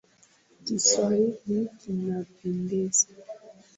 Kiswahili kinapendeza